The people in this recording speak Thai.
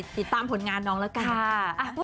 เฮ้แต่หน้าอยู่กว่าเดิม